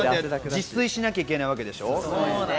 自炊しなきゃいけないわけでしょ？